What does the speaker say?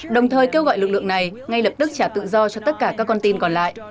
đồng thời kêu gọi lực lượng này ngay lập tức trả tự do cho tất cả các con tin còn lại